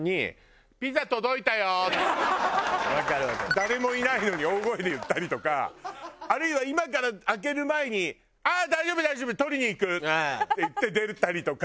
誰もいないのに大声で言ったりとかあるいは今から開ける前に「大丈夫大丈夫！取りに行く」って言って出たりとか。